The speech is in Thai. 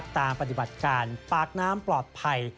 ปฏิบัติการปากน้ำปลอดภัย